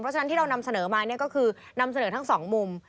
ฉะนั้นที่เรานำเสนอมาก็คือนำเสนอทั้งสองมุม